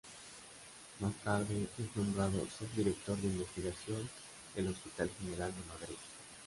Más tarde es nombrado subdirector de investigación del Hospital General de Madrid.